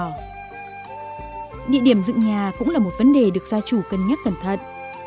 địa điểm dựng nhà cũng là một vấn đề được gia chủ cân nhắc cẩn thận